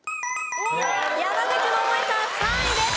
山口百恵さん３位です。